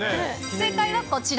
正解はこちら。